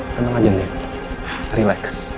tenang aja nih relax